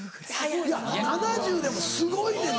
いや７０でもすごいねんぞ。